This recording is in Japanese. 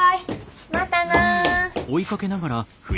またな。